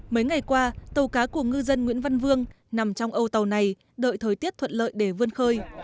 mấy ngày qua tàu cá của ngư dân nguyễn văn vương nằm trong âu tàu này đợi thời tiết thuận lợi để vươn khơi